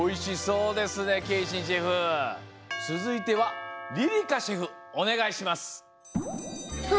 つづいてはりりかシェフおねがいします。